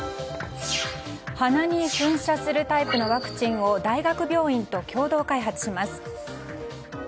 鼻に噴射するタイプのワクチンを大学病院と共同開発します。